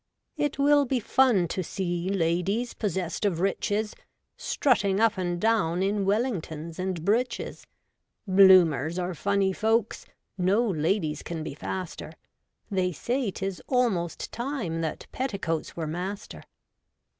35 It will be fun to see Ladies, possessed of riches, Strutting up and down In Wellingtons and breeches. Bloomers are funny folks, No ladies can be faster : They say 'tis almost time That petticoats were master.